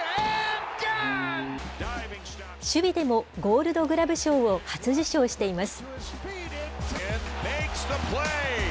守備でもゴールドグラブ賞を初受賞しています。